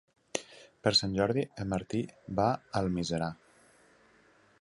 Per Sant Jordi en Martí va a Almiserà.